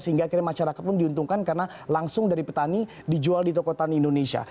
sehingga akhirnya masyarakat pun diuntungkan karena langsung dari petani dijual di toko tani indonesia